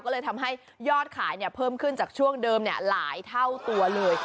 ก็เลยทำให้ยอดขายเพิ่มขึ้นจากช่วงเดิมหลายเท่าตัวเลย